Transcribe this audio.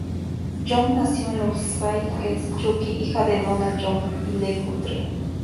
Young nació en Louisville, Kentucky hija de Donald Young y Lee Guthrie.